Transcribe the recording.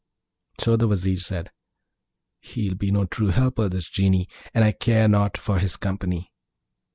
So the Vizier said, 'He'll be no true helper, this Genie, and I care not for his company.'